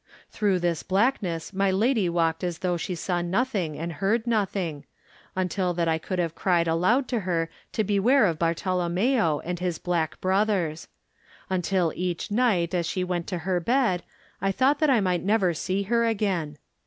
Through this blackness my lady walked as though she saw nothing and heard noth ing, until that I could have cried aloud to her to beware of Bartolommeo and his black brothers. Until each night as she went to her bed I thought that I might never see her again.